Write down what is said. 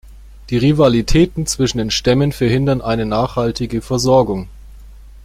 Die Rivalitäten zwischen den Stämmen verhindern eine nachhaltige Versorgung.